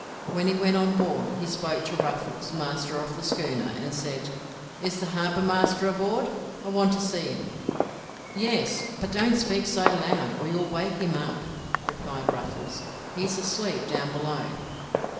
When he went on board he spoke to Ruffles, master of the schooner, and said: "Is the harbour master aboard? I want to see him." "Yes, but don't speak so loud, or you'll wake him up," replied Ruffles. "He is asleep down below."